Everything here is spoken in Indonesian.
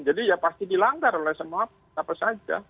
ya pasti dilanggar oleh semua apa saja